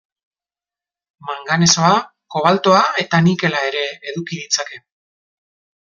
Manganesoa, kobaltoa eta nikela ere eduki ditzake.